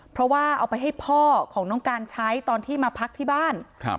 เพราะว่าเอาไปให้พ่อของน้องการใช้ตอนที่มาพักที่บ้าน